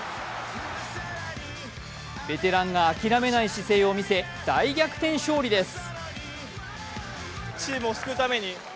ベテランが諦めない姿勢を見せ大逆転勝利です。